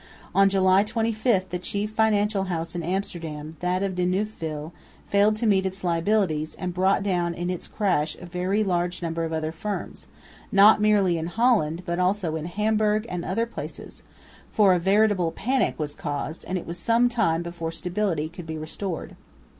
On July 25 the chief financial house in Amsterdam, that of De Neufville, failed to meet its liabilities and brought down in its crash a very large number of other firms, not merely in Holland, but also in Hamburg and other places; for a veritable panic was caused, and it was some time before stability could be restored.